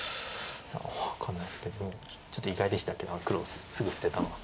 分かんないですけどちょっと意外でしたけど黒すぐ捨てたのは。